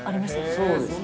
そうですね。